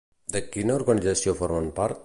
De quina organització formen part?